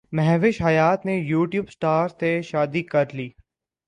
مہوش حیات نے YouTube star سے شادی کرلی